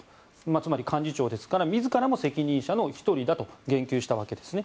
つまり、幹事長ですから自らも責任者の１人だと言及したわけですね。